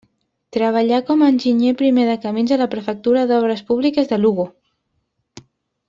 Treballà com a enginyer primer de Camins a la Prefectura d'Obres Públiques de Lugo.